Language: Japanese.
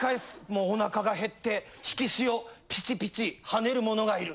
もうお腹が減って引き潮ピチピチ跳ねるものがいる。